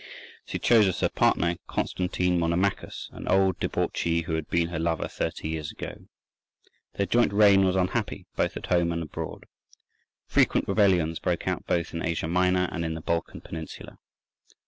She chose as her partner Constantine Monomachus, an old debauchee who had been her lover thirty years ago. Their joint reign was unhappy both at home and abroad. Frequent rebellions broke out both in Asia Minor and in the Balkan Peninsula.